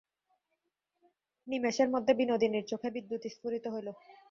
নিমেষের মধ্যে বিনোদিনীর চোখে বিদ্যুৎ স্ফুরিত হইল।